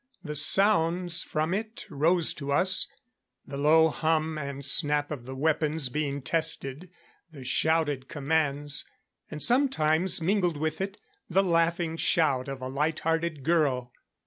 The sounds from it rose to us; the low hum and snap of the weapons being tested; the shouted commands; and sometimes, mingled with it, the laughing shout of a light hearted girl.